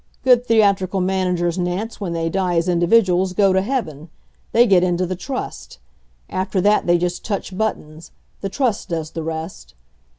Good theatrical managers, Nance, when they die as individuals go to Heaven they get into the Trust. After that they just touch buttons; the Trust does the rest.